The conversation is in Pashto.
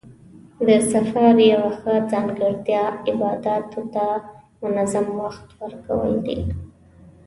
د سفر یوه ښه ځانګړتیا عباداتو ته منظم وخت ورکول دي.